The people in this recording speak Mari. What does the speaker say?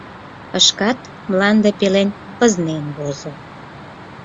Шкат мланде пелен пызнен возо.